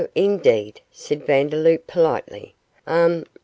indeed,' said Vandeloup, politely; 'Hum!